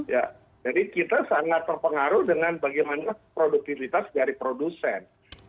jadi kita sangat berpengaruh dengan bagaimana produktivitas dari produsen